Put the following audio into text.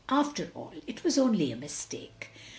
"After all, it was only a mistake."